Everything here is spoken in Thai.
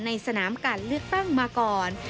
ในสนามการเลือกตั้งมาก่อน